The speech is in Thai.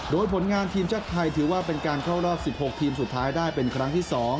โดยผลงานทีมชาติไทยถือว่าเป็นการเข้ารอบ๑๖ทีมสุดท้ายได้เป็นครั้งที่๒